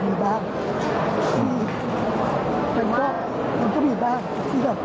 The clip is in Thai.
มันมีบ้าง